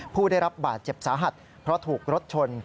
ผู้ได้รับบาดเจ็บสาหัสเพราะถูกรถชน